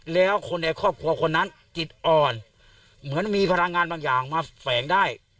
แล้วคนในครอบครัวคนนั้นจิตอ่อนเหมือนมีพลังงานบางอย่างมาแฝงได้